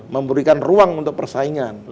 memberikan ruang untuk persaingan